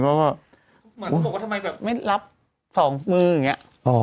เหมือนเค้าบอกว่าทำไมแบบไม่รับสองมืออย่างเงี้ย